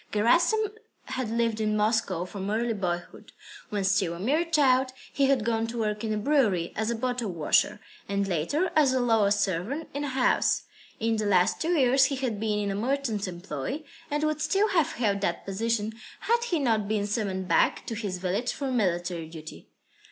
Gerasim had lived in Moscow from early boyhood. When still a mere child, he had gone to work in a brewery as bottle washer, and later as a lower servant in a house. In the last two years he had been in a merchant's employ, and would still have held that position, had he not been summoned back to his village for military duty.